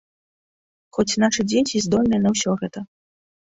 Хоць нашы дзеці здольныя на ўсё гэта.